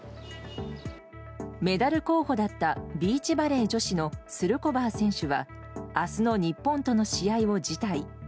メダル候補だったビーチバレー女子のスルコバー選手は明日の日本との試合を辞退。